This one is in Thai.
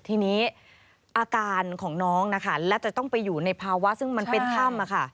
ทีนี้อาการของน้องนะคะและจะต้องไปอยู่ในภาวะซึ่งมันเป็นถ้ำ